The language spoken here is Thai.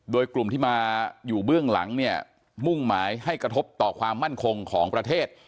โดยกลุ่มที่มาอยู่เบื้องหลังเนี่ยมุ่งหมายให้กระทบต่อความมั่นคงของประเทศ